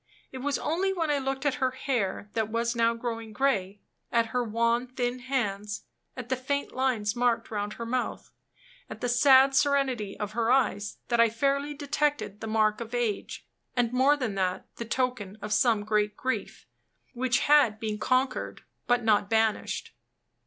It was only when I looked at her hair, that was now growing gray at her wan, thin hands at the faint lines marked round her mouth at the sad serenity of her eyes, that I fairly detected the mark of age; and, more than that, the token of some great grief, which had been conquered, but not banished.